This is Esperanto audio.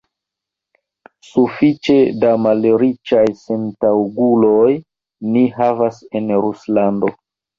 Sufiĉe da malriĉaj sentaŭguloj ni havas en Ruslando.